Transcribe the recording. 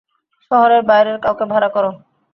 শহরের বাইরের কাউকে ভাড়া কর।